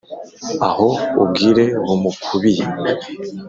aho ubwire bumukubiye